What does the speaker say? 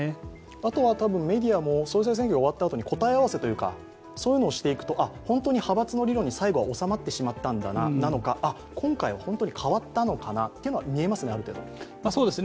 あとは、メディアも総裁選挙が終わったあとに答え合わせをしていくというか、そういうのをしていくと、本当に派閥の理論におさまってしまったんだなとか今回は本当に変わったのかなというのはある程度見えますね。